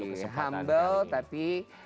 untuk kesempatan kali ini humble tapi